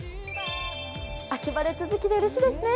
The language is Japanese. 秋晴れ続きでうれしいですね。